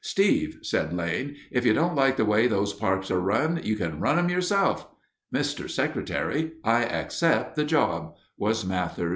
"Steve," said Lane, "if you don't like the way those parks are run, you can run them yourself." "Mr. Secretary, I accept the job," was Mather's rejoinder.